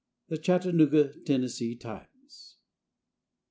The Chattanooga (Tenn.) Times.